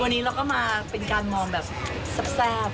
วันนี้เราก็มาเป็นการมองแบบแซ่บ